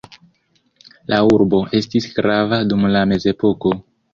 La urbo estis grava dum la Mezepoko.